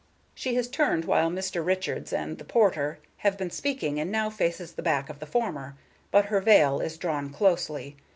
She has turned while Mr. Richards and The Porter have been speaking, and now faces the back of the former, but her veil is drawn closely.